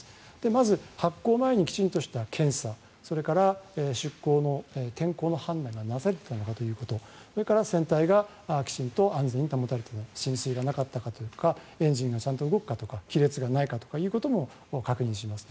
まず、発航前にきちんとした検査それから出航の健康の判断がなされていたのかということそれから船体がきちんと安全に保たれているか浸水がなかったかどうかエンジンがちゃんと動くかとか亀裂がないかも確認します。